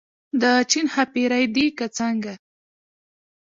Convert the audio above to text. د چین ښاپېرۍ دي که څنګه.